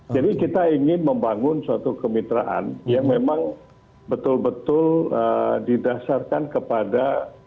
jadi kita ingin membangun suatu kemitraan yang memang betul betul didasarkan kepada